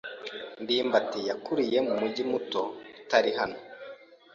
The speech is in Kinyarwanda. ndimbati yakuriye mu mujyi muto utari hano.